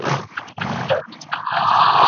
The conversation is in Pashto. تارو نار سو رنګ یې ژړ لکه د مړي